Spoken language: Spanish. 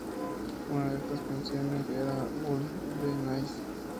Una de estas canciones era "Wouldn't It Be Nice".